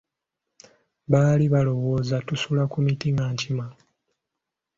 Baali balowooza tusula ku miti nga nkima.